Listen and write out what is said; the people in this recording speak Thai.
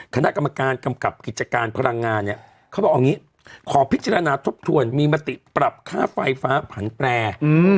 คณะกรรมการกำกับกิจการพลังงานเนี่ยเขาบอกเอางี้ขอพิจารณาทบทวนมีมติปรับค่าไฟฟ้าผันแปร